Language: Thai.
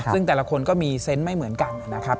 ซึ่งแต่ละคนก็มีเซนต์ไม่เหมือนกันนะครับ